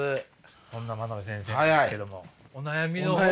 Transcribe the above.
そんな真鍋先生なんですけどもお悩みの方を。